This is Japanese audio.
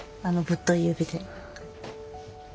あのぶっとい指で。